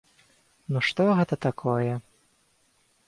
Ну што гэта такое?